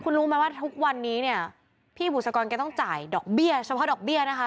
คุณรู้ไหมว่าทุกวันนี้เนี่ยพี่บุษกรแกต้องจ่ายดอกเบี้ยเฉพาะดอกเบี้ยนะคะ